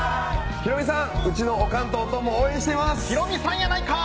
ヒロミさん、うちのおかんと、おとんも応援しています。